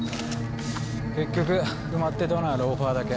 結局埋まってたのはローファーだけ。